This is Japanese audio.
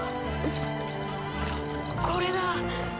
これだ！